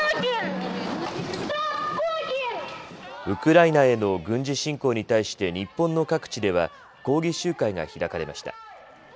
ウクライナへの軍事侵攻に対して日本の各地では抗議集会が開かれました。